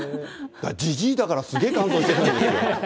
じじいだからすげえ乾燥してるんですよ。